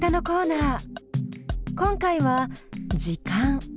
今回は「時間」。